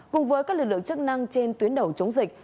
cùng với các lực lượng chức năng trên tuyến đầu chống dịch